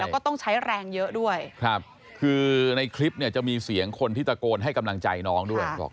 แล้วก็ต้องใช้แรงเยอะด้วยครับคือในคลิปเนี่ยจะมีเสียงคนที่ตะโกนให้กำลังใจน้องด้วยบอก